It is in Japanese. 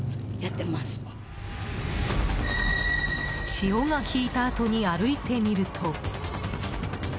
潮が引いたあとに歩いてみると。